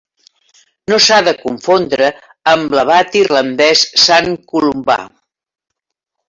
No s'ha de confondre amb l'abat irlandès Sant Columbà.